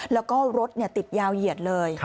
แล้วก็รถติดยาวเหยียดเลย